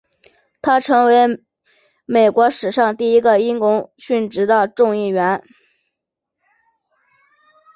他成为美国史上第一个因公殉职的众议员。